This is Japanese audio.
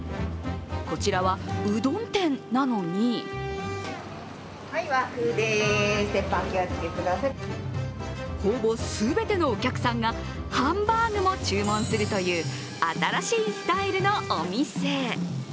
こちらは、うどん店なのにほぼ全てのお客さんがハンバーグも注文するという新しいスタイルのお店。